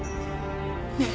ねえ。